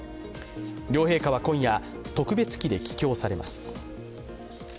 両陛下は今夜、特別機で帰京されます。